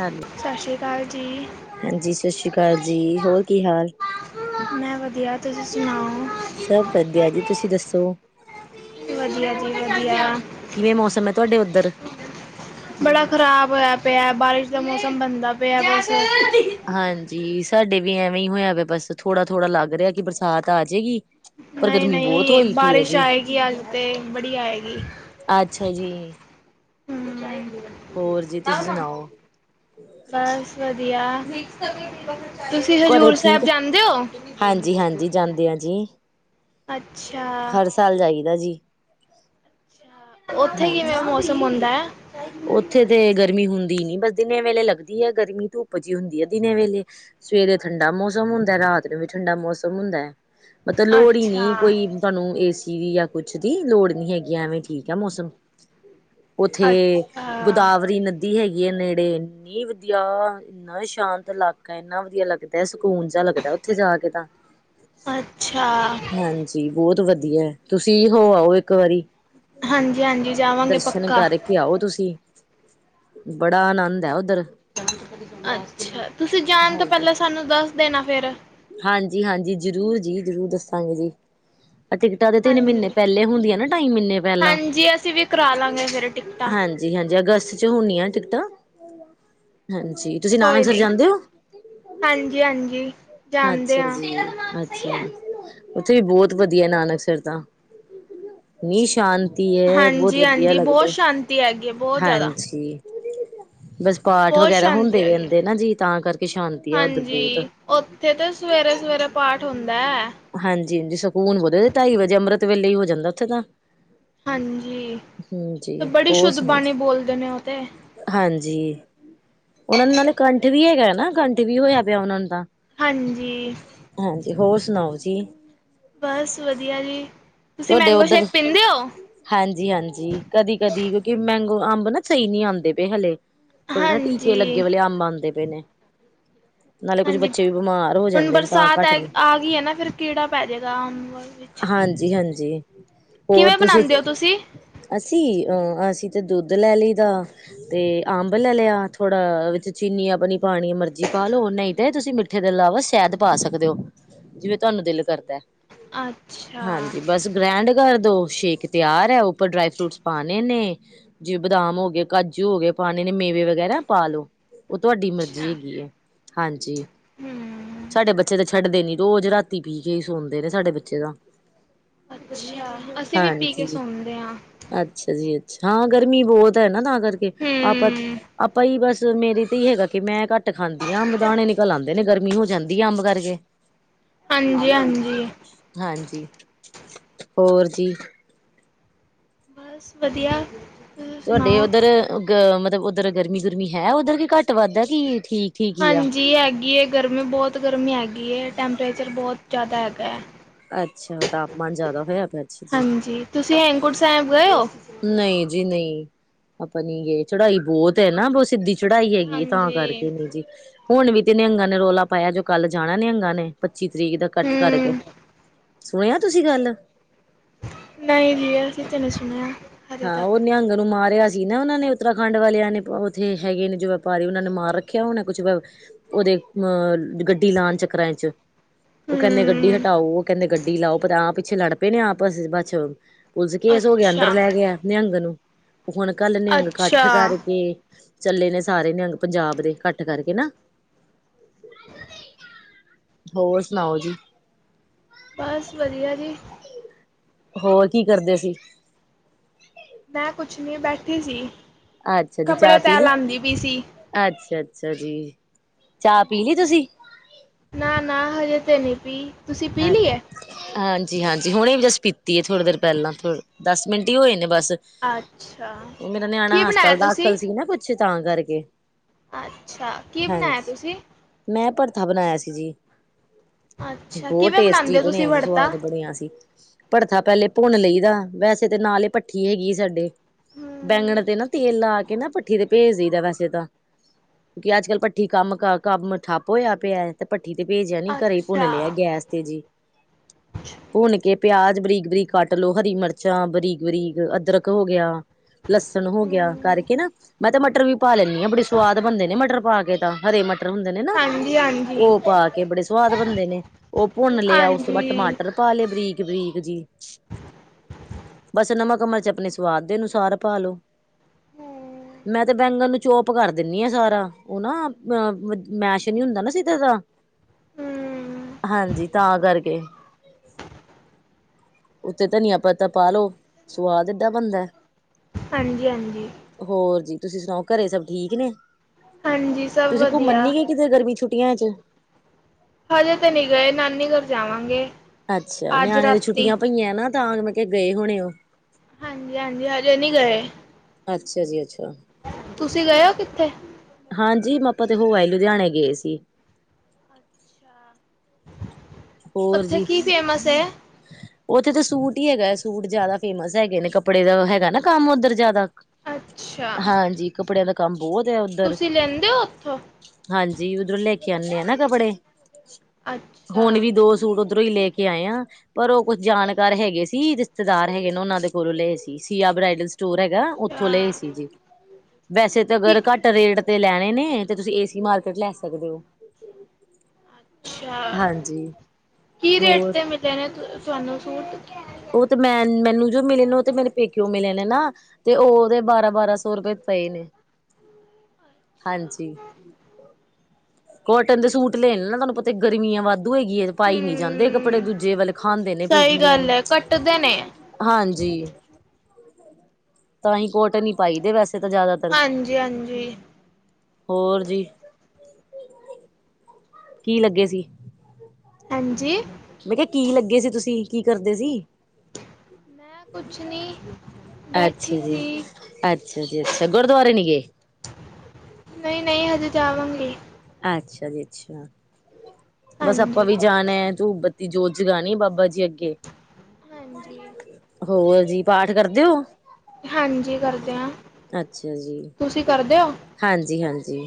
Hello ਸਤਿ ਸ਼੍ਰੀ ਅਕਾਲ ਜੀ ਹਾਂਜੀ। ਸਤਿ ਸ਼੍ਰੀ ਅਕਾਲ ਜੀ। ਹੋਰ ਕੀ ਹਾਲ। ਮੈਂ ਵਧੀਆ ਤੁਸੀਂ ਸੁਣਾਓ। ਸਭ ਵਧੀਆ ਜੀ ਤੁਸੀਂ ਦੱਸੋ। ਵਧੀਆ ਜੀ ਵਧੀਆ ਕਿਵੇਂ ਮੌਸਮ ਹੈ ਤੁਹਾਡੇ ਉੱਧਰ। ਬੜਾ ਖਰਾਬ ਹੋਇਆ ਪਿਆ ਬਾਰਿਸ਼ ਦਾ ਮੌਸਮ ਬਣਦਾ ਪਿਆ ਬਸ। ਹਾਂਜੀ ਸਾਡੇ ਵੀ ਐਵੇਂ ਹੀ ਹੋਇਆ ਪਿਆ ਬਸ ਥੋੜਾ ਥੋੜਾ ਲੱਗ ਰਿਹਾ ਕਿ ਬਰਸਾਤ ਆ ਜੇ ਗੀ। ਨਹੀਂ ਨਹੀਂ ਬਾਰਿਸ਼ ਆਏਗੀ ਅੱਜ ਤੇ ਬੜੀ ਆਏਗੀ। ਅੱਛਾ ਜੀ। ਹੂੰ। ਹੋਰ ਜੀ ਤੁਸੀਂ ਸੁਣਾਓ। ਬਸ ਵਧੀਆ। ਤੁਸੀਂ ਘਰੇ ਹਜ਼ੂਰ ਸਾਹਿਬ ਠੀਕ ਜਾਂਦੇ ਹੋ। ਹਾਂਜੀ ਹਾਂਜੀ ਜਾਂਦੇ ਆ ਜੀ ਅੱਛਾ। ਹਰ ਸਾਲ ਜਾਈਦੈ ਜੀ। ਉੱਥੇ ਕਿਵੇਂ ਹਾਂਜੀ ਮੌਸਮ ਹੁੰਦੈ। ਉੱਥੇ ਤੇ ਗਰਮੀ ਹੁੰਦੀ ਨੀ ਬਸ ਦਿਨੇ ਵੇਲੇ ਲੱਗਦੀ ਹੈ। ਗਰਮੀ ਧੁੱਪ ਜਿਹੀ ਹੁੰਦੀ ਹੈ। ਦਿਨੇ ਵੇਲੇ। ਸਵੇਰੇ ਠੰਡਾ ਮੌਸਮ ਹੁੰਦਾ ਹੈ। ਰਾਤ ਨੂੰ ਵੀ ਠੰਡਾ ਮੌਸਮ ਹੁੰਦਾ ਹੈ। ਮਤਲਬ ਲੋੜ ਨੀ ਅੱਛਾ ਕੋਈ। ਤੁਹਾਨੂੰ ਏ ਸੀ ਦੀ ਜਾਂ ਕੁਛ ਦੀ ਲੋੜ ਨਹੀਂ ਹੈਗੀ ਐਵੇਂ ਠੀਕ ਹੈ ਮੌਸਮ। ਉੱਥੇ ਅੱਛਾ ਗੋਦਾਵਰੀ ਨਦੀ ਹੈਗੀ ਆ ਨੇੜੇ ਇੰਨੀ ਵਧੀਆ। ਇੰਨਾ ਸ਼ਾਂਤ ਇਲਾਕਾ ਇੰਨਾ ਵਧੀਆ ਲੱਗਦਾ ਸਕੂਨ ਜਿਹਾ ਲੱਗਦਾ ਉੱਥੇ ਜਾ ਕੇ ਤਾਂ। ਅੱਛਾ। ਹਾਂਜੀ ਬਹੁਤ ਵਧੀਆ ਤੁਸੀਂ ਹੋ ਆਓ ਇੱਕ ਵਾਰੀ। ਹਾਂਜੀ, ਹਾਂਜੀ ਜਾਵਾਂਗੇ ਪੱਕਾ। ਦੇਖ ਕੇ ਆਓ ਤੁਸੀਂ ਬੜਾ ਆਨੰਦ ਹੈ ਉੱਧਰ। ਅੱਛਾ, ਤੁਸੀਂ ਜਾਣ ਤੋਂ ਪਹਿਲਾਂ ਸਾਨੂੰ ਦੱਸ ਦੇਣਾ ਫੇਰ। ਹਾਂਜੀ, ਹਾਂਜੀ, ਜ਼ਰੂਰ ਜੀ, ਜ਼ਰੂਰ ਦੱਸਾਂਗੇ ਜੀ। ਇਹ ਟਿਕਟਾਂ ਤੇ ਤਿੰਨ ਮਹੀਨੇ ਹਾਂਜੀ। ਪਹਿਲੇ ਹੁੰਦੀਆਂ ਨਾ ਢਾਈ ਮਹੀਨੇ ਪਹਿਲਾਂ ਹਾਂਜੀ ਅਸੀਂ ਵੀ ਕਰਾ ਲਾਂਗੇ ਫਿਰ ਟਿਕਟਾਂ ਹਾਂਜੀ। ਜੀ ਹਾਂਜੀ ਅਗਸਤ 'ਚ ਹੋਣੀਆਂ ਟਿਕਟਾਂ ਹਾਂਜੀ। ਤੁਸੀਂ ਕੋਈ ਨਾਨਕਸਰ ਨਹੀਂ, ਜਾਂਦੇ ਹੋ? ਹਾਂਜੀ, ਹਾਂਜੀ। ਅੱਛਾ ਜੀ, ਅੱਛਾ। ਉੱਥੇ ਵੀ ਬਹੁਤ ਵਧੀਆ ਨਾਨਕਸਰ ਤਾਂ ਇੰਨੀ ਸ਼ਾਂਤੀ। ਸ਼ਾਂਤੀ ਏ ਹੈ। ਬਹੁਤ ਵਧੀਆ ਹਾਂਜੀ-ਹਾਂਜੀ ਬਹੁਤ ਲੱਗਦਾ ਹੈ ਸ਼ਾਂਤੀ ਹੈਗੀ ਹੈ ਬਹੁਤ ਜ਼ਿਆਦਾ ਹਾਂਜੀ। ਬਸ ਪਾਠ ਬਹੁਤ ਵਗੈਰਾ ਸ਼ਾਂਤੀ ਹੁੰਦੇ ਹੈਗੀ ਹੈ। ਰਹਿੰਦੇ ਨਾ ਜੀ ਤਾਂ ਕਰਕੇ ਸ਼ਾਂਤੀ ਆ ਉੱਧਰ ਬਹੁਤ। ਹਾਂਜੀ ਉੱਥੇ ਤੇ ਸਵੇਰੇ ਸਵੇਰੇ ਪਾਠ ਹੁੰਦਾ ਹੈ। ਹਾਂਜੀ ਹਾਂਜੀ ਸਕੂਨ ਵੱਧ ਢਾਈ ਵਜੇ ਅੰਮ੍ਰਿਤ ਵੇਲੇ ਹੀ ਹੋ ਜਾਂਦਾ ਉੱਥੇ ਤਾਂ। ਹਾਂਜੀ ਹੂੰ ਤੇ ਜੀ ਬੜੀ ਹੋਰ ਸ਼ੁੱਧ ਸੁਣਾਓ ਬਾਣੀ ਜੀ ਬੋਲਦੇ ਨੇ ਉਹ ਤੇ। ਹਾਂਜੀ, ਉਹਨਾਂ ਦੇ ਨਾਲੇ ਕੰਠ ਵੀ ਹੈਗਾ ਨਾ। ਕੰਠ ਵੀ ਹੋਇਆ ਪਿਆ ਉਹਨਾਂ ਨੂੰ ਦਾ। ਹਾਂਜੀ। ਹਾਂਜੀ ਹੋਰ ਸੁਣਾਓ ਜੀ? ਬਸ ਵਧੀਆ ਜੀ। ਤੁਸੀਂ ਤੁਹਾਡੇ ਮੈਂਗੋ ਉੱਧਰ ਸ਼ੇਕ ਪੀਂਦੇ ਹੋ? ਹਾਂਜੀ ਹਾਂਜੀ ਕਦੀ ਕਦੀ ਕਿਉਂਕਿ ਮੈਂਗੋ ਅੰਬ ਨਾ। ਸਹੀ ਨਹੀਂ ਆਉਂਦੇ ਪਏ ਹਲੇ ਥੋੜੇ ਨਾ ਟੀਕੇ ਲੱਗੇ ਵਾਲੇ ਅੰਬ ਆਉਂਦੇ ਪਏ ਨੇ। ਠੀਕ ਹੈ। ਨਾਲੇ ਕੁੱਝ ਹਾਂਜੀ ਬੱਚੇ ਵੀ ਬਿਮਾਰ ਹੋ ਹੁਣ ਜਾਂਦੇ ਨੇ ਤਾਂ ਬਰਸਾਤ ਘੱਟ ਆ ਗਈ ਹੈ ਨਾ ਫੇਰ ਕੀੜਾ ਪੈ ਜਾਏਗਾ ਅੰਬ ਵਿੱਚ। ਹਾਂਜੀ, ਹਾਂਜੀ ਹੋਰ ਕਿਵੇਂ ਤੁਸੀਂ। ਬਣਾਉਂਦੇ ਹੋ ਤੁਸੀਂ? ਅਸੀਂ ਅ ਅਸੀਂ ਤੇ ਦੁੱਧ ਲੈ ਲਈ ਦਾ। ਤੇ ਅੰਬ ਲੈ ਲਿਆ ਥੋੜਾ ਵਿੱਚ ਚੀਨੀ ਆਪਣੀ ਪਾਉਣੀ ਮਰਜ਼ੀ ਪਾ ਲਓ ਨਹੀਂ ਤਾਂ ਤੁਸੀਂ। ਮਿੱਠੇ ਦੇ ਇਲਾਵਾ ਸ਼ਹਿਦ ਪਾ ਸਕਦੇ ਹੋ। ਜਿਵੇਂ ਤੁਹਾਨੂੰ ਦਿਲ ਕਰਦਾ ਹੈ। ਅੱਛਾ। ਬਸ ਗ੍ਰੈਂਡ ਕਰ ਦੋ ਸ਼ੇਕ ਤਿਆਰ ਹੈ। ਉੱਪਰ ਡਰਾਈ ਫਰੂਟਸ ਪਾਉਣੇ ਨੇ। ਜਿਵੇਂ ਬਦਾਮ ਹੋ ਗਏ, ਕਾਜੂ ਹੋ ਗਏ, ਪਾਉਣੇ ਨੇ ਮੇਵੇ ਵਗੈਰਾ ਪਾ ਲੋ। ਉਹ ਤੁਹਾਡੀ ਮਰਜ਼ੀ ਅੱਛਾ ਹੈਗੀ ਹੈਗੀ ਏ ਹਾਂਜੀ। ਹੂੰ। ਸਾਡੇ ਬੱਚੇ ਤਾਂ ਛੱਡਦੇ ਨੀ ਰੋਜ਼ ਰਾਤੀ ਪੀ ਕੇ ਸੌਦੇ ਨੇ ਸਾਡੇ ਬੱਚੇ ਤਾਂ। ਅਸੀਂ ਵੀ ਪੀ ਕੇ ਹਾਂਜੀ ਸੁਣਦੇ ਆ ਅੱਛਾ ਜੀ ਅੱਛਾ ਹਾਂ ਗਰਮੀ ਬਹੁਤ ਹੈ ਨਾ ਤਾਂ ਕਰਕੇ ਆਪਾਂ ਹੂੰ। ਆਪਾਂ ਹੀ ਬਸ ਮੇਰੀ ਤੇ ਹੀ ਹੈਗਾ ਕਿ ਮੈਂ ਘੱਟ ਖਾਂਦੀ ਆ ਦਾਣੇ ਨ [unintelligible] ਲਾਂਦੇ ਨੇ ਗਰਮੀ ਹੋ ਜਾਂਦੀ ਆ ਅੰਬ ਕਰਕੇ ਹਾਂਜੀ ਹਾਂਜੀ ਹਾਂਜੀ ਹੋਰ ਜੀ? ਬਸ ਵਧੀਆ। ਤੁਸੀਂ ਤੁਹਾਡੇ ਸੁਣਾਓ? ਉੱਧਰ ਅ ਮਤਲਬ ਉੱਧਰ ਗਰਮੀ ਗੁਰਮੀ ਹੈ ਉੱਧਰ ਕੀ ਘੱਟ ਵੱਧ ਹੈ ਕੀ ਠੀਕ। ਠੀਕ ਹੀ ਆ। ਹਾਂਜੀ ਹੈਗੀ ਹੈ ਗਰਮੀ ਬਹੁਤ ਗਰਮੀ ਹੈਗੀ ਹੈ ਟੈਂਪਰੇਚਰ ਬਹੁਤ ਜ਼ਿਆਦਾ ਹੈਗਾ ਹੈ। ਅੱਛਾ ਤਾਪਮਾਨ ਜਿਆਦਾ ਹੋਇਆ ਪਿਆ ਅੱਛਾ ਜੀ। ਹਾਂਜੀ, ਤੁਸੀਂ ਹੇਮਕੁੰਟ ਸਾਹਿਬ ਗਏ ਹੋ? ਨਹੀਂ ਜੀ, ਨਹੀਂ ਆਪਾਂ ਨੀ ਗਏ ਚੜਾਈ ਬਹੁਤ ਹੈ ਨਾ ਬਹੁਤ ਸਿੱਧੀ। ਚੜਾਈ ਹੈਗੀ ਤਾਂ ਹਾਂਜੀ, ਕਰਕੇ ਨੀ ਜੀ ਹੁਣ ਵੀ ਤੇ ਨਿਹੰਗਾਂ ਨੇ ਰੌਲਾ ਪਾਇਆ ਜੋ ਕੱਲ ਜਾਣਾ ਨਿਹੰਗਾਂ ਨੇ। ਪੱਚੀ ਤਰੀਕ ਦਾ ਇਕੱਠ ਕਰਕੇ ਹੂੰ। ਸੁਣਿਆ ਤੁਸੀਂ ਗੱਲ? ਨਹੀਂ ਜੀ ਅਸੀਂ ਤਾਂ ਨਹੀਂ ਸੁਣਿਆ ਹਜੇ ਹਾਂ ਤੱਕ। ਉਹ ਨਿਹੰਗ ਨੂੰ ਮਾਰਿਆ ਸੀ। ਸੀ ਨਾ ਉਹਨਾਂ ਨੇ ਉੱਤਰਾਖੰਡ ਵਾਲਿਆਂ ਨੇ ਉੱਥੇ ਹੈਗੇ ਨੇ ਜੋ ਵਪਾਰੀ ਉਹਨਾਂ ਨੇ ਮਾਰ ਰੱਖਿਆ ਉਹਨਾਂ ਕੁਛ ਉਹਦੇ ਗੱਡੀ ਲਣ ਚੱਕਰਾਂ ਚਚ [unintelligible] ਉਹ ਕਹਿੰਦੇ ਗੱਡੀ ਹਮ ਹਟਾਓ ਉਹ ਕਹਿੰਦੇ ਗੱਡੀ ਲਾਓ ਪਤਾ ਆਪ ਪਿੱਛੇ ਲੜ ਪਏ ਨੇ ਆਪਸ ਬਸ ਪੁਲਸ ਕੇਸ ਹੋ ਗਿਆ ਅੱਛਾ ਅੰਦਰ ਲੈ ਗਿਆ ਨਿਹੰਗ ਨੂੰ ਹੁਣ ਕੱਲ ਨਿਹੰਗ ਅੱਛਾ ਇਕੱਠ ਕਰਕੇ ਚੱਲੇ ਨੇ ਸਾਰੇ ਨਿਹੰਗ ਪੰਜਾਬ ਦੇ ਇਕੱਠ ਕਰਕੇ ਨਾ [inaudible] [inaudible] ਹੋਰ ਸੁਣਾਓ ਜੀ ਬਸ ਵਧੀਆ ਜੀ ਹੋਰ ਕੀ ਕਰਦੇ ਸੀ ਮੈਂ ਕੁਛ ਨੀ ਬੈਠੀ ਸੀ ਅੱਛਾ ਜੀ ਕੱਪੜੇ ਚਾਹ ਪੀ ਤੈਅ ਲਈ ਲਾਂਦੀ ਪਈ ਸੀ ਅੱਛਾ ਅੱਛਾ ਜੀ ਚਾਹ ਪੀ ਲਈ ਤੁਸੀਂ ਨਾ ਨਾ ਹਜੇ ਤੇ ਨੀ ਪੀ ਤੁਸੀਂ ਪੀ ਲਈ ਹੈ [unintelligible] [inaudible] ਹਾਂਜੀ ਹਾਂਜੀ ਹੁਣੇ ਈ ਜਸਟ ਪੀਤੀ ਏ ਥੋੜ੍ਹੀ ਦੇਰ ਪਹਿਲਾਂ ਦਸ ਮਿੰਟ ਹੀ ਹੋਏ ਨੇ ਬਸ ਅੱਛਾ ਮੇਰਾ ਕੀ ਨਿਆਣਾ ਬਣਾਇਆ ਹਸਪਤਾਲ ਤੁਸੀਂ ਦਾਖਲ ਸੀ ਨਾ ਕੁਛ ਤਾਂ ਕਰਕੇ ਅੱਛਾ ਕੀ ਬਨਾਇਆ ਹਾਂਜੀ ਤੁਸੀਂ ਮੈਂ ਭਰਥਾ ਬਨਾਇਆ ਸੀ ਜੀ ਅੱਛਾ ਬਹੁਤ ਕਿਵੇਂ ਟੇਸਟੀ ਬਣਾਉਂਦੇ ਹੋ ਤੁਸੀਂ ਬਣਿਆ ਸੀ ਵੜਤਾ ਸਵਾਦ ਬਣਿਆ ਸੀ ਭੜਥਾ ਪਹਿਲੇ ਭੁੰਨ ਲਈ ਦਾ ਵੈਸੇ ਤੇ ਨਾਲ ਈ ਭੱਠੀ ਹੈਗੀ ਸਾਡੇ ਬੈਂਗਣ ਹਮ ਤੇ ਨਾ ਤੇਲ ਲਾ ਕੇ ਨਾ ਪੱ ਭੱਠੀ ਤੇ ਭੇਜਦੀ ਦਾ ਵੈਸੇ ਤਾਂ ਕਿ ਅੱਜ ਕੱਲ ਭੱਠੀ ਕੰਮ ਕੰਮ ਠੱਪ ਹੋਇਆ ਪਿਆ ਤੇ ਭੱਠੀ ਤੇ ਭੇਜਿਆ ਨੀ ਘਰੇ ਭੁੰਨ ਅੱਛਾ ਲਿਆ ਗੈਸ ਤੇ ਜੀ ਭੁੰਨ ਕੇ ਪਿਆਜ ਬਰੀਕ ਬਰੀਕ ਕੱਟ ਲੋ ਹਰੀ ਮਿਰਚਾਂ ਬਰੀਕ ਬਰੀਕ ਅਦਰਕ ਹੋ ਗਿਆ ਲਸਣ ਹੋ ਗਿਆ ਹਮ ਕਰਕੇ ਨਾ ਮੈਂ ਤੇ ਮਟਰ ਵੀ ਪਾ ਲੈਂਨੀ ਆ ਬੜੀ ਸਵਾਦ ਬਣਦੇ ਨੇ ਮਟਰ ਪਾ ਕੇ ਤਾਂ ਹਰੇ ਮਟਰ ਹੁੰਦੇ ਨੇ ਨਾ ਹਾਂਜੀ ਹਾਂਜੀ ਉਹ ਪਾ ਕੇ ਬੜੇ ਸਵਾਦ ਬਨਦੇ ਨੇ ਉਹ ਭੁੰਨ ਲਿਆ ਉਸ ਤੋਂ ਬਾਅਦ ਹਾਂਜੀ ਟਮਾਟਰ ਪਾ ਲਏ ਬਰੀਕ ਬਰੀਕ ਜੀ ਬਸ ਨਮਕ ਮਰਚ ਅਪਨੇ ਸਵਾਦ ਦੇ ਅਨੁਸਾਰ ਪਾ ਲੋ ਹਮ [inaudible] ਮੈਂ ਤੇ ਬੈਂਗਣ ਨੂੰ ਚੋਪ ਕਰ ਦਿੰਨੀ ਆ ਸਾਰਾ ਉਹ ਨਾ ਅਹ ਮੈਸ਼ ਨੀ ਹੁੰਦਾ ਨਾ ਸਿਧ ਦਾ ਹੂੰ, ਹਾਂਜੀ ਤਾਂ ਕਰਕੇ ਉੱਤੇ ਧਨੀਆ ਪਤਾ ਪਾ ਲਉ ਸਵਾਦ ਏਡਾ ਬਣਦਾ ਹਾਂਜੀ ਹਾਂਜੀ ਹੋਰ ਜੀ ਤੁਸੀਂ ਸੁਣਾਓ ਘਰੇ ਸਭ ਠੀਕ ਨੇ ਹਾਂਜੀ ਸਭ ਤੁਸੀ ਘੁੰਮਨ ਵਧੀਆ ਨਹੀਂ ਗਏ ਇੱਥੇ ਗਰਮੀ ਛੁੱਟੀਆਂ ਚ ਹਜੇ ਤੇ ਨਹੀਂ ਗਏ ਨਾਨੀ ਘਰ ਜਾਵਾਂਗੇ ਅੱਛਾ ਅੱਜ ਨਿਆਣੇ ਦੀਆਂ ਰਾਤੀ ਛੁੱਟੀਆਂ ਪਈਆਂ ਨਾ ਤਾਂ ਮੈਂ ਕਿਆ ਗਏ ਹੋਣੇ ਓ ਹਾਂਜੀ-ਹਾਂਜੀ, ਹਜੇ ਨੀ ਗਏ। ਅੱਛਾ ਜੀ ਅੱਛਾ। ਤੁਸੀਂ ਗਏ ਹੋ ਕਿੱਥੇ ਹਾਂਜੀ ਆਪਾਂ ਤੇ ਹੋ ਆਏ ਲੁਧਿਆਣੇ ਗਏ ਸੀ ਅੱਛਾ [unintelligible] ਹੋਰ ਉੱਥੇ ਜੀ ਕੀ ਫੇਮਸ ਏ ਉੱਥੇ ਤਾਂ ਸੂਟ ਹੀ ਹੈਗਾ ਹੈ ਸੂਟ ਜਿਆਦਾ ਫੇਮਸ ਹੈਗੇ ਨੇ ਕੱਪੜੇ ਦਾ ਹੈਗਾ ਨਾ ਕੰਮ ਉੱਧਰ ਜੇਦਾ ਅੱਛਾ ਕੱਪੜੇ ਦਾ ਕੰਮ ਬਹੁਤ ਹੈ ਉੱਧਰ ਤੁਸੀਂ ਲੈਂਦੇ ਹੋ ਉੱਥੋਂ ਹਾਂਜੀ ਉੱਧਰੋਂ ਲੈ ਕੇ ਆਨੇ ਆ ਨਾ ਕੱਪੜੇ ਅੱਛਾ ਹੁਣ ਵੀ ਦੋ ਸੂਟ ਉੱਧਰੋਂ ਹੀ ਲੈ ਕੇ ਆਏ ਆਂ। ਪਰ ਉਹ ਕੁਝ ਜਾਣਕਾਰ ਹੈਗੇ ਸੀ, ਰਿਸ਼ਤੇਦਾਰ ਹੈਗੇ ਨੇ ਉਹਨਾਂ ਦੇ ਕੋਲੋਂ ਲਏ ਸੀ, ਸੀਆ ਬਰਾਇਡੇਲ ਸਟੋਰ ਹੈਗਾ ਉੱਥੋਂ ਅੱਛਾ ਲਏ ਸੀ ਜੀ, ਵੈਸੇ ਤੇ ਕੀ ਘੱਟ ਰੇਟ ਤੇ ਲੈਣੇ ਨੇ ਤੇ ਤੁਸੀਂ ਏਸੀ ਮਾਰਕਟ ਲੈ ਸਕਦੇ ਓ। ਅੱਛਾ, ਹਾਂਜੀ ਕੀ ਰੇਟ ਹੋਰ ਤੇ ਮਿਲੇ ਨੇ ਤੁਹਾਨੂੰ ਸੂਟ? ਓ ਤੇ ਮੈਂ ਮੈਨੂੰ ਜੋ ਮਿਲੇ ਨੇ, ਉਹ ਤੇ ਮੇਰੇ ਪੇਕਯੋੰ ਮਿਲੇ ਨੇ ਨਾ। ਤੇ ਓ ਦੇ ਬਾਰਾਂ-ਬਾਰਾਂ ਸੌ ਰੁਪਏ ਪਏ ਨੇ। [inaudible] ਹਾਂਜੀ। ਕੋਟਨ ਦੇ ਸੂਟ ਲੈਏਨ ਨਾ ਤੁਹਾਨੂੰ ਪਤਾ ਗਰਮੀਆਂ ਵਾਧੂ ਹੈਗੀ ਏ। ਪਾਈ ਨੀ ਜਾਂਦੇ ਕੱਪੜੇ ਹੂੰ ਦੂਜੇ ਵਾਲੇ ਖਾਂਦੇ ਨੇ ਸਹੀ ਪਿੰਡੀਆਂ ਗੱਲ ਨੂੰ। ਹੈ ਕੱਟਦੇ ਨੇ ਹਾਂਜੀ, ਤਾਂ ਹੀ ਕੋਟਨ ਹੀ ਪਾਈ ਦੇ ਵੈਸੇ ਤਾਂ ਜਾਦਾ। ਹਾਂਜੀ-ਹਾਂਜੀ। ਹੋਰ ਜੀ। ਕੀ ਲੱਗੇ ਸੀ? ਹਾਂਜੀ। ਮੈਂ ਕਿਹਾ ਕੀ ਲੱਗੇ ਸੀ ਤੁਸੀਂ, ਕੀ ਕਰਦੇ ਸੀ? ਮੈਂ ਕੁਛ ਨੀ ਅੱਛਾ ਬੈਠੀ ਜੀ ਸੀ। ਅੱਛਾ ਜੀ ਅੱਛਾ, ਗੁਰਦੁਆਰੇ ਨੀ ਗਏ। ਨਈ-ਨਈ ਹਜੇ ਜਾਵਾਂਗੀ। ਅੱਛਾ ਜੀ ਅੱਛਾ, ਬਸ ਆਪਾਂ ਹਾਂਜੀ ਵੀ ਜਾਨਾ ਹੈ ਤੂੰ ਦੀ ਜੋਤ ਜਗਾਨੀ ਬਾਬਾ ਜੀ ‌ਅੱਗੇ। ਹਾਂਜੀ ਰੋਜ਼ ਜੀ, ਪਾਠ ਕਰਦੇ ਓ? ਹਾਂਜੀ ਕਰਦੇ ਆਂ, ਅੱਛਾ ਜੀ ਤੁਸੀਂ ਕਰਦੇ ਓ? ਹਾਂਜੀ ਹਾਂਜੀ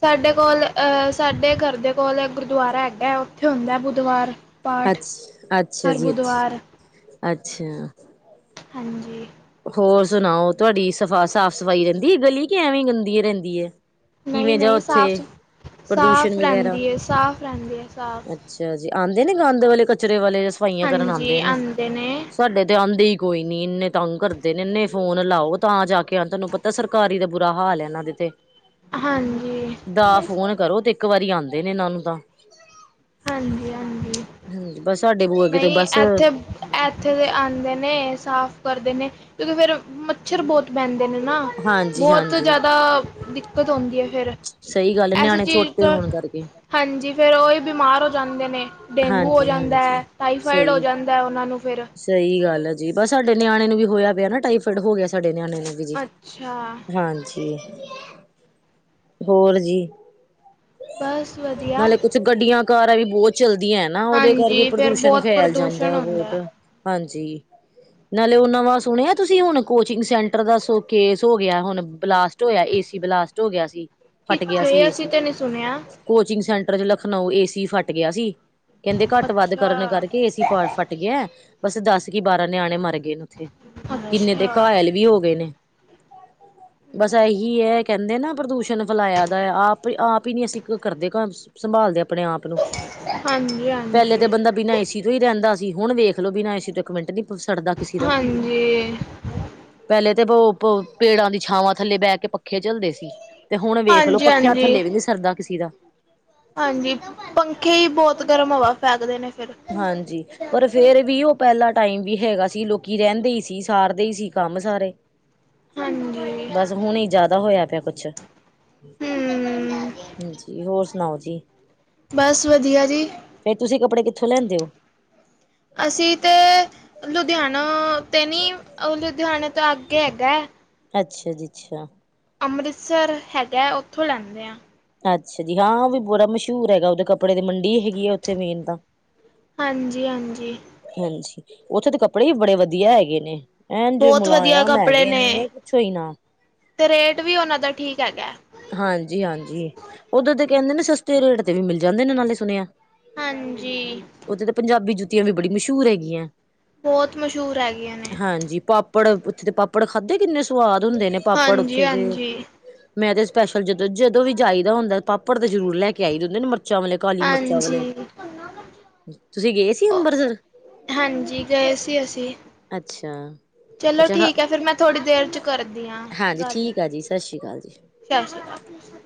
ਸਾਡੇ ਕੋਲ ਅਹ ਸਾਡੇ ਘਰ ਦੇ ਕੋਲ ਆ ਇੱਕ ਗੁਰਦੁਆਰਾ ਹੈਗਾ ਉੱਥੇ ਹੁੰਦਾ ਬੁੱਧਵਾਰ। ਪਾਠ ਅੱਛ ਅੱਛਾ ਹਰ ਜੀ ਬੁੱਧਵਾਰ ਅੱਛਾ, ਅੱਛਾ। ਹਾਂਜੀ। ਹੋਰ ਸੁਣਾਓ ਤੁਹਾਡੀ ਸਫਾ ਸਾਫ ਸਫਾਈ ਰਹਿੰਦੀ ਗਲੀ ਕੇ ਐਵੇਂ ਗੰਦੀ ਰਹਿੰਦੀ ਏ? ਨਹੀਂ-ਨਹੀਂ, ਸਾਫ ਸੁਥਰੀ ਪ੍ਰਦੂਸ਼ਣ ਸਾਫ ਵਗੈਰਾ ਰਹਿੰਦੀ ਏ, ਸਾਫ ਰਹਿੰਦੀ ਏ ਸਾਫ਼। ਅੱਛਾ ਜੀ ਆਂਦੇ ਨੇ, ਗੰਦ੍ਹ ਵਾਲੇ, ਕਚਰੇ ਵਾਲੇ ਸਫਾਈਆਂ ਕਰਨ ਹਾਂਜੀ ਆਂਦੇ ਨੇ, ਆਉਂਦੇ ਸਾਡੇ ਤੇ ਆਂਦੇ ਕੋਈ ਨੀ ਇੰਨੇ ਤੰਗ ਕਰਦੇ ਨੇ, ਇਨੇ ਫੋਨ ਲਾਓ ਤਾਂ ਜਾ ਕੇ ਅੰਦਰ ਨੂੰ ਪਤਾ ਸਰਕਾਰੀ ਦਾ ਬੁਰਾ ਹਾਲ ਐ ਇਹਨਾਂ ਦੇ ਤੇ। ਹਾਂਜੀ ਦਾ ਫੋਨ ਕਰੋ ਤੇ ਇੱਕ ਵਾਰੀ ਆਂਦੇ ਨੇ ਇਹਨਾਂ ਨੂੰ ਤਾਂ। ਹਾਂਜੀ ਹਾਂਜੀ ਹੂੰ, ਬਸ ਸਾਡੇ [unintelligible] ਤੇ ਬਸ ਐਥੇ ਤੇ ਆਂਦੇ ਨੇ, ਸਾਫ ਕਰਦੇ ਨੇ ਕਿਉਂਕਿ ਫਿਰ ਮੱਛਰ ਬਹੁਤ ਬਹਿੰਦੇ ‌ਨੇ ਨਾ, ਹਾਂਜੀ ਬੋਤ ਹਾਂਜੀ ਜਾਦਾ ਦਿੱਕਤ ਤ ਹੋਂਦੀ ਐ ਫੇਰ ਸਹੀ ਗੱਲ ਐਸੀ ਨਿਆਣੇ ਚੀਜ਼ ਛੋਟੇ ਤੋਂ ਹੋਣ ਕਰਕੇ ਹਾਂਜੀ, ਫੇਰ ਉਹੀ ਬਿਮਾਰ ਹੋ ਜਾਂਦੇ ਨੇ, ਡੇਂਗੂ ਹੋ ਹਾਂਜੀ ਜਾਂਦਾ ਐ, ਹਾਂਜੀ ਟਾਈਫਾਇਡ ਹੋ ਸਹੀ ਜਾਂ ਦਾ ਉਹਨਾਂ ਨੂੰ ਫਿਰ। ਸਹੀ ਗੱਲ ਹੈ ਜੀ ਬਸ ਸਾਡੇ ਨਿਆਣੇ ਨੂੰ ਵੀ ਹੋਇਆ ਪਿਆ ਨਾ ਟਾਈਫਾਈਡ ਹੋ ਗਿਆ ਸਾਡੇ ਨਿਆਣੇ ਨੂੰ ਵੀ ਅੱਛਾ ਹਾਂਜੀ ਹੋਰ ਜੀ ਬਸ ਵਧੀਆ ਨਾਲੇ ਕੁਛ ਗੱਡੀਆਂ ਕਾਰਾਂ ਵੀ ਬੋਤ ਚਲਦੀਆਂ ਐ ਨਾ ਉਹਦੇ ਕਰਕੇ ਹਾਂਜੀ ਫਿਰ ਪ੍ਰਦੂਸ਼ਣ ਬਹੁਤ ਫੈਲ ਪ੍ਰਦੂਸ਼ਣ ਜਾਂਦਾ ਹੁੰਦਾ ਬੋਤ। ਹੈ। ਹਾਂਜੀ। ਨਾਲੇ ਉਹ ਨਵਾਂ ਸੁਣਿਆ ਤੁਸੀਂ ਹੁਣ ਕੋਚਿੰਗ ਸੈਂਟਰ ਦਾ ਸ ਕੇਸ ਹੋ ਗਿਆ ਹੁਨ ਬਲਾਸਟ ਹੋਇਆ ਏ ਸੀ ਬਲਾਸਟ ਹੋ ਗਿਆ ਸੀ, ਫਟ ਗਿਆ ਕਿੱਥੇ ਸੀ ਏ ਅਸੀਂ ਸੀ। ਤਾਂ ਨਹੀਂ ਸੁਣਿਆ ਕੋਚਿੰਗ ਸੈਂਟਰ ਲਖਨਊ ਏਸੀ ਫਟ ਗਿਆ ਸੀ, ਕਹਿੰਦੇ ਘੱਟ ਵੱਧ ਅੱਛਾ ਕਰਨ ਕਰਕੇ ਏਸੀ ਪਾਸਟ ਫਟ ਗਿਆ ਬਸ ਦੱਸ ਕੀ ਬਾਰਾਂ ਨਿਆਣੇ ਮਰ ਗਏ ਨੇ ਓਥੇ, ਕਿੰਨੇ ਦੇ ਅੱਛਾ ਘਾਇਲ ਵੀ ਹੋ ਗਏ ਨੇ। ਬਸ ਏਹੀ ਹੈ ਕਹਿੰਦੇ ਨਾ ਪ੍ਰਦੂਸ਼ਣ ਬੁਲਾਇਆ ਦਾ, ਆਪ, ਆਪ ਹੀ ਨਹੀਂ ਅਸੀਂ ਕਰਦੇ ਸੰਭਾਲਦੇ ਆਪਣੇ ਆਪ ਨੂੰ। ਹਾਂਜੀ-ਹਾਂਜੀ। ਬਿਨਾ ਏਸੀ ਤੋਂ ਹੀ ਰਹਿੰਦਾ ਸੀ, ਹੁਣ ਵੇਖ ਲੋ ਬਿਨਾ ਏ ਤੋਂ ਇੱਕ ਮਿੰਟ ਨੀ ਸਰਦਾ ਕਿਸੇ ਦਾ। ਹਾਂਜੀ ਪਹਿਲੇ ਤੇ ਪੇੜਾਂ ਦੀ ਛਾਵਾਂ ਥੱਲੇ ਬਹਿ ਕੇ ਪੱਖੇ ਝਲਦੇ ਸੀ। ਤੇ ਹੁਣ ਵੇਖ ਲੋ ਹਾਂਜੀ ਪੱਖਿਆ ਹਾਂਜੀ ਥੱਲੇ ਵੀ ਨੀ ਸਰਦਾ ਕਿਸੇ ਦਾ। ਹਾਂਜੀ ਪੰਖੇ ਹੀ ਬਹੁਤ ਗਰਮ ਹਵਾ ਫੈਕਦੇ ਨੇ। ਫਿਰ ਹਾਂਜੀ ਪਰ ਫੇਰ ਵੀ ਉਹ ਪਹਿਲਾ ਟਾਈਮ ਵੀ ਹੈਗਾ ਸੀ ਲੋਕੀ ਰਹਿੰਦੇ ਹੀ ਸੀ ਸਾਰਦੇ ਹੀ ਸੀ ਕੰਮ ਸਾਰੇ ਹਾਂਜੀ ਬਸ ਹੁਣ ਹੀ ਜਿਆਦਾ ਹੋਇਆ ਪਿਆ ਕੁੱਛ। ਹਮ ਹਾਂਜੀ ਹੋਰ ਸੁਣਾਓ ਜੀ। ਬਸ ਵਧੀਆ ਜੀ। ਫੇਰ ਤੁਸੀਂ ਕੱਪੜੇ ਕਿੱਥੋਂ ਲੈਂਦੇ ਹੋ ਅਸੀਂ ਤਾਂ ਲੁਧਿਆਣਾ ਤੇ ਨਹੀਂ ਲੁਧਿਆਣੇ ਤੋਂ ਅੱਗੇ ਹੈਗਾ। ਅੱਛਾ ਜੀ ਅੱਛਾ, ਅੰਮ੍ਰਿਤਸਰ ਹੈਗਾ ਉੱਥੋਂ ਲੈਂਦੇ ਹਾਂ। ਅੱਛਾ ਜੀ ਹਾਂ ਉਹ ਵੀ ਬੜਾ ਮਸ਼ਹੂਰ ਹੈਗਾ ਉਹਦੇ ਕੱਪੜੇ ਦੀ ਮੰਡੀ ਹੈਗੀ ਆ ਉੱਥੇ ਮੇਨ ਤਾਂ। ਹਾਂਜੀ ਹਾਂਜੀ, ਹਾਂਜੀ ਉੱਥੇ ਦੇ ਕੱਪੜੇ ਵੀ ਬੜੇ ਵਧੀਆ ਹੈਗੇ ਨੇ। ਐ ਜੇ ਬਹੁਤ ਮੁਲਾ ਵਧੀਆ ਆਆ ਮੈਂ ਕੱਪੜੇ ਗ ਨੇ ਕੁੱਛੋ ਹੀ ਨਾ, ਤੇ ਰੇਟ ਵੀ ਉਹਨਾ ਦਾ ਠੀਕ ਹੈਗਾ ਹੈ। ਹਾਂਜੀ ਹਾਂਜੀ, ਉਧਰ ਦੇ ਕਹਿੰਦੇ ਨੇ ਸਸਤੇ ਰੇਟ ਤੇ ਵੀ ਮਿਲ ਜਾਂਦੇ ਨੇ ਨਾਲੇ ਸੁਣਿਆ। ਹਾਂਜੀ, ਉੱਥੇ ਤਾਂ ਪੰਜਾਬੀ ਜੁੱਤੀਆਂ ਵੀ ਬੜੀ ਮਸ਼ਹੂਰ ਹੈਗੀਆਂ ਬਹੁਤ ਮਸ਼ਹੂਰ ਹੈਗੀਆਂ ਨੇ ਹਾਂਜੀ ਪਾਪ ਪਾਪੜ ਉੱਥੇ ਦੇ ਪਾਪੜ ਖਾਧੇ ਕਿੰਨੇ ਸਵਾਦ ਹੁੰਦੇ ਨੇ ਪਾਪੜ ਹਾਂਜੀ ਉੱਥੇ ਦੇ ਹਾਂਜੀ ਮੈਂ ਤੇ ਸਪੈਸ਼ਲ ਜਦੋਂ ਜਦੋਂ ਵੀ ਜਾਈਦਾ ਹੁੰਦਾ ਪਾਪੜ ਤੇ ਜ਼ਰੂਰ ਲੈ ਕੇ ਆਈਦੇ ਹੁੰਦੇ ਮਿਰਚਾਂ ਵਾਲੇ ਕਾਲੀ ਮਿਰਚਾਂ ਹਾਂਜੀ, ਵਾਲੇ ਤੁਸੀਂ ਗਏ ਸੀ ਅੰਮਰਿਤਸਰ। ਹਾਂਜੀ ਗਏ ਸੀ ਅਸੀਂ ਅੱਛਾ, ਚਲੋ ਅੱਛਾ ਹਾਂ ਠੀਕ ਹੈ ਫੇਿਰ ਮੈਂ ਥੋੜ੍ਹੀ ਦੇਰ ਚ ਕਰਦੀ ਹਾਂ ਹਾਂਜੀ ਗੱਲ। ਠੀਕ ਆ ਜੀ, ਸਤਿ ਸ਼੍ਰੀ ਅਕਾਲ ਜੀ। ਸ਼੍ਰੀ ਅਕਾਲ।